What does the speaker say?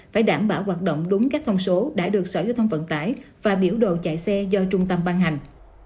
phải đảm bảo hoạt động đúng các con số đã được sở giao thông vận tải và biểu đồ chạy xe do trung tâm ban hành